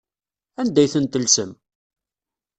Anda ay tent-tellsem?